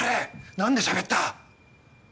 何でしゃべった⁉